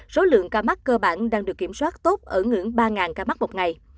số lượng ca mắc cơ bản đang được kiểm soát tốt ở ngưỡng ba ca mắc một ngày